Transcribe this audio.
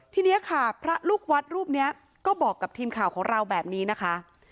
ทีนี้ค่ะพระลูกวัดรูปนี้ก็บอกกับทีมข่าวของเราแบบนี้นะคะ